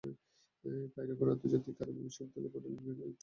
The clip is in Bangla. কায়রোর আন্তর্জাতিক আরবী বিশ্ববিদ্যালয়ের পাণ্ডুলিপি বিভাগে এর একটি ফটো কপি রয়েছে।